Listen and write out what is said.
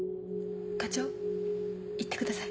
課長行ってください。